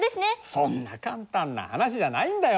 そんな簡単な話じゃないんだよ。